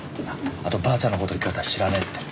あとばあちゃんのこと聞かれたら知らねえって。